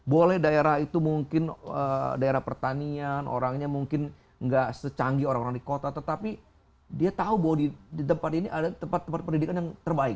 boleh daerah itu mungkin daerah pertanian orangnya mungkin nggak secanggih orang orang di kota tetapi dia tahu bahwa di tempat ini ada tempat tempat pendidikan yang terbaik